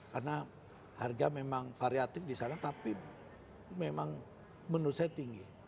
karena harga memang variatif di sana tapi memang menurut saya tinggi